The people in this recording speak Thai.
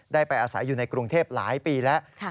ได้ไปอาศัยอยู่ในกรุงเทพหลายปีแล้ว